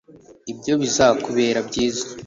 ibyo bizakubera byiza